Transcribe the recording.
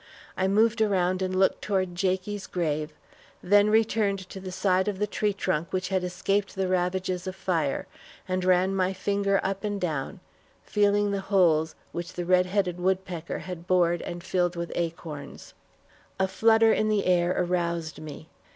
I moved around and looked toward Jakie's grave, then returned to the side of the tree trunk which had escaped the ravages of fire, and ran my finger up and down, feeling the holes which the red headed woodpecker had bored and filled with acorns. A flutter in the air aroused me.